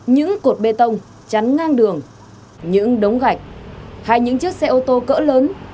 những cột bê tông chắn ngang đường những đống gạch hay những chiếc xe ô tô cỡ lớn